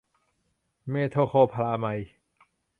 เมโทโคลพราไมด์